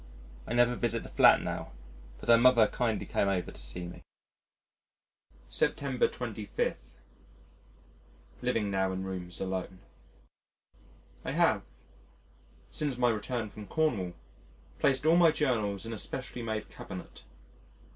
I never visit the flat now, but her mother kindly came over to see me. September 25. [Living now in rooms alone.] I have since my return from Cornwall placed all my journals in a specially made cabinet.